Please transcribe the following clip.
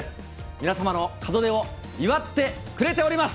皆様の門出を祝ってくれております。